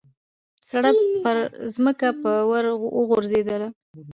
سړپ پرځمکه به ور وغورځېدله.